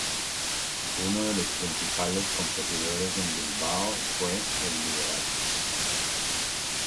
Uno de sus principales competidores en Bilbao fue "El Liberal".